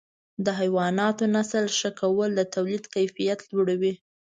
د حیواناتو نسل ښه کول د تولید کیفیت لوړوي.